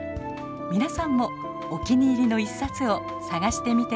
皆さんもお気に入りの１冊を探してみてはいかがですか？